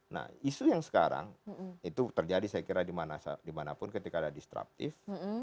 nah isu yang sekarang itu terjadi saya kira dimanapun ketika ada disruptive